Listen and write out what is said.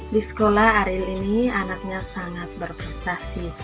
di sekolah ariel ini anaknya sangat berprestasi